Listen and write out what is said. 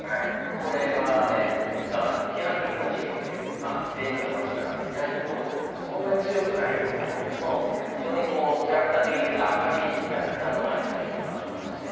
これはトスカーナのキャンティ・クラシコというフィレンツェの街から南の方でそんなに強くないようなタイプの非常にキャラクター的に言うと明るいキャラクターのワインが出来る場所なんですね。